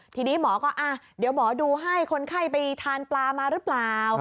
ทีนี้หมอก็เดี๋ยวหมอดูให้คนไข้ไปทานปลามาหรือเปล่า